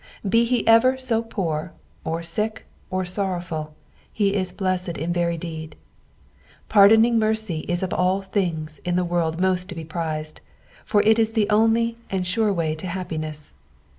Be he ever so poor, or sick, or sorrowful, he is blessed in very deed. Pardoning mere; is of all things in the world most to be priced, for it is the onl; and sure way to happinetu.